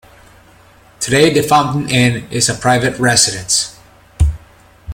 Today, the Fountain Inn is a private residence.